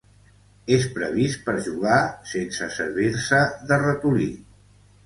És previst per jugar sense servir-se de ratolí.